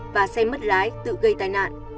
và xe mất lái tự gây tai nạn